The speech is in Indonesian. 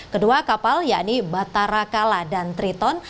kedua kapal yakni batara kala dan triton